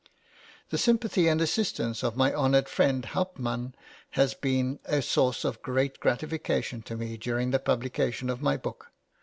The sympathy and assistance of my honoured friend Hauptmann has been a source of great gratification to me during the publication of my book.